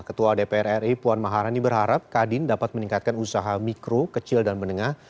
ketua dpr ri puan maharani berharap kadin dapat meningkatkan usaha mikro kecil dan menengah